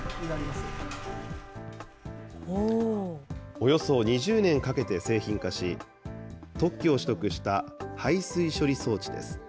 およそ２０年かけて製品化し、特許を取得した排水処理装置です。